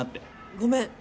ごめん！